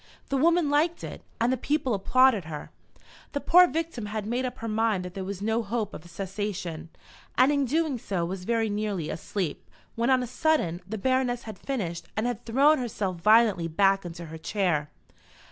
The woman liked it, and the people applauded her. The poor victim had made up her mind that there was no hope of cessation, and in doing so was very nearly asleep, when, on a sudden, the Baroness had finished and had thrown herself violently back into her chair.